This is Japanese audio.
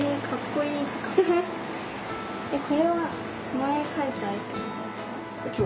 これは前描いた絵？